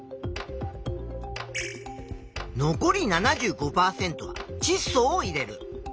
残り７５％はちっ素を入れる。